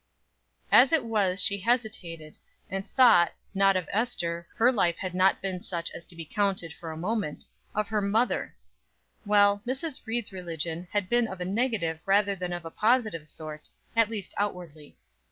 As it was she hesitated, and thought not of Ester, her life had not been such as to be counted for a moment of her mother. Well, Mrs. Ried's religion had been of a negative rather than of a positive sort, at least outwardly.